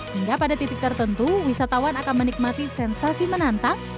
hingga pada titik tertentu wisatawan akan menikmati sensasi menantang